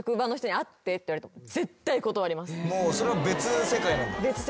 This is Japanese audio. もうそれは別世界なんだ。